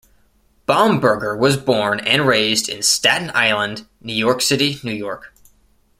Bamberger was born and raised in Staten Island, New York City, New York.